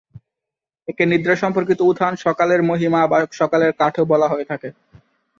একে নিদ্রা-সম্পর্কিত উত্থান, সকালের মহিমা বা সকালের কাঠ-ও বলা হয়ে থাকে।